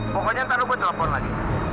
pokoknya ntar lu gue telepon lagi